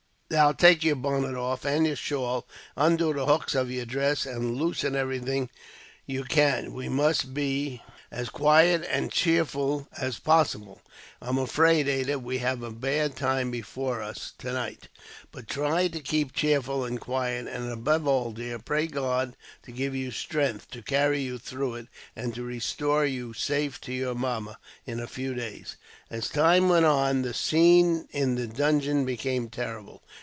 Now take your bonnet off, and your shawl, and undo the hooks of your dress, and loosen everything you can. We must be as quiet and cheerful as possible. I'm afraid, Ada, we have a bad time before us tonight. But try to keep cheerful and quiet; and above all, dear, pray God to give you strength to carry you through it, and to restore you safe to your mamma, in a few days." As time went on, the scene in the dungeon became terrible.